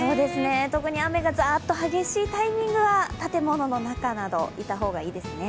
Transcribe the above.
特に雨がざっと激しいタイミングは建物の中など、いた方がいいですね。